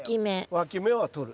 わき芽は取る。